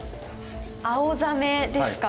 アオザメですか。